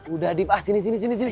udah adif ah sini sini